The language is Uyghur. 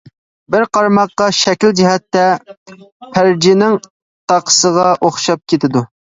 بىر قارىماققا شەكىل جەھەتتە پەرىجىنىڭ تاقىسىغا ئوخشاپ كېتىدۇ.